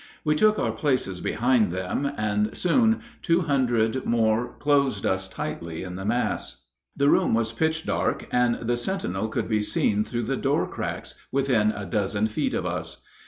We took our places behind them, and soon two hundred more closed us tightly in the mass. The room was pitch dark, and the sentinel could be seen through the door cracks, within a dozen feet of us.